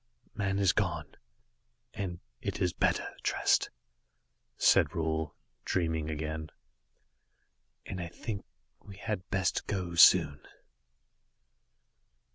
"Man is gone, and it is better, Trest," said Roal, dreaming again. "And I think we had best go soon."